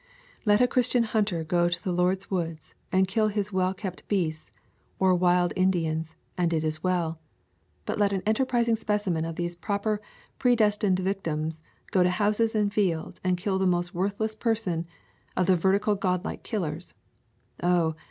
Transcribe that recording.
Let a Christian hunter go to the Lord's woods and kill his well kept beasts, or wild In dians, and it is well; but let an enterprising specimen of these proper, predestined victims go to houses and fields and kill the most worth less person of the vertical godlike killers, — oh!